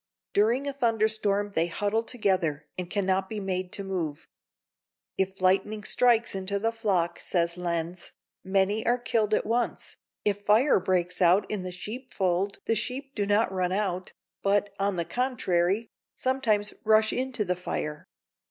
During a thunderstorm they huddle together and cannot be made to move. "If lightning strikes into the flock," says Lenz, "many are killed at once; if fire breaks out in the sheepfold the sheep do not run out, but, on the contrary, sometimes rush into the fire."